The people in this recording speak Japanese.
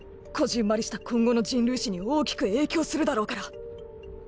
こぢんまりした今後の人類史に大きく影響するだろうから！